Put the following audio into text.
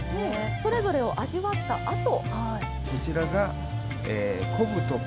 それぞれを味わったあと。